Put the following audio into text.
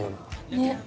ねっ。